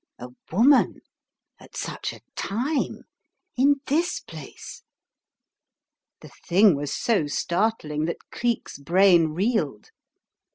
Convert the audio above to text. A woman, at such a time, in this place! The thing was so startling that Cleek's brain reeled.